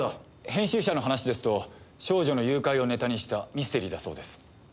編集者の話ですと少女の誘拐をネタにしたミステリーだそうです。